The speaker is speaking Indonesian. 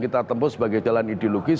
kita tempuh sebagai jalan ideologis